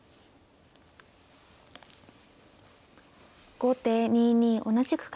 後手２二同じく角。